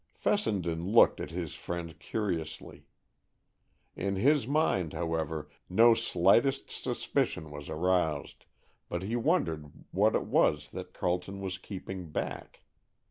Fessenden looked at his friend curiously. In his mind, however, no slightest suspicion was aroused, but he wondered what it was that Carleton was keeping back.